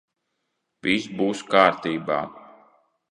Viss būs kārtībā.